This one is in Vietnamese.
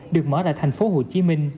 được mở tại thành phố hồ chí minh